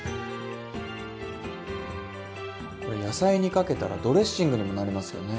これ野菜にかけたらドレッシングにもなりますよね。